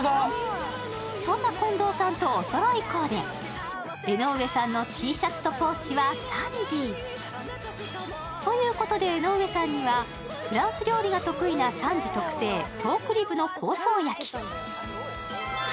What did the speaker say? そんな近藤さんとおそろいコーデ、江上さんのＴシャツとポーチはサンジ。ということで江上さんにはフランス料理が得意なサンジ特製ポークリブの香草焼き。